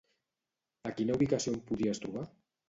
A quina ubicació en podies trobar?